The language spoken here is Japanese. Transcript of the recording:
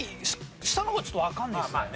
下の方はちょっとわかんないですね。